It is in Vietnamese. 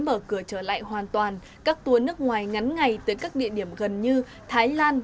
mở cửa trở lại hoàn toàn các tour nước ngoài ngắn ngày tới các địa điểm gần như thái lan